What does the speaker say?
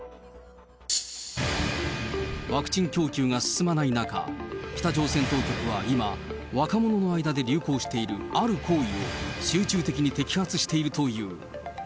ワクチン供給が進まない中、北朝鮮当局は今、若者の間で流行しているある行為を集中的に摘発しているという。